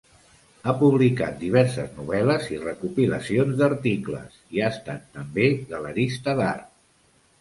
Ha publicat diverses novel·les i recopilacions d'articles, i ha estat també galerista d'art.